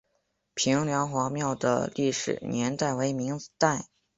平凉隍庙的历史年代为明代。